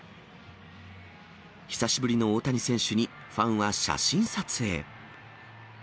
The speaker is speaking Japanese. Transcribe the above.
久しぶりの大谷選手に、ファンは写真撮影。